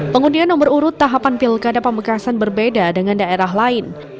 pengundian nomor urut tahapan pilkada pamekasan berbeda dengan daerah lain